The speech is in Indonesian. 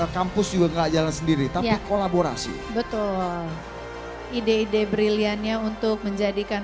kampus juga enggak jalan sendiri tapi kolaborasi betul ide ide brilliannya untuk menjadikan